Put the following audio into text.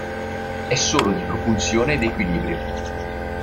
È solo di propulsione ed equilibrio.